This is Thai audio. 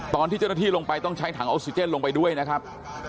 ตอนที่เจ้าหน้าที่ลงไปต้องใช้ถังออกซิเจนลงไปด้วยนะครับ